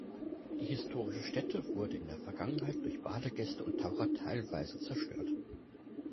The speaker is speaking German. Die historische Stätte wurde in der Vergangenheit durch Badegäste und Taucher teilweise zerstört.